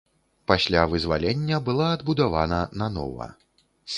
Пасля вызвалення была адбудавана нанова.